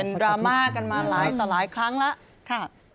เป็นดราม่ากันมาหลายครั้งแล้ว